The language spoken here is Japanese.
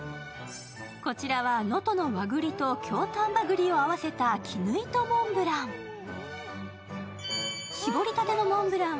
更にこちらは能登の和栗と京丹波栗を合わせたしぼりたてモンブラン。